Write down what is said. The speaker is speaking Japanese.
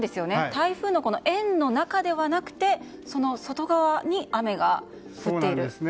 台風の円の中ではなくて外側に雨が降っている。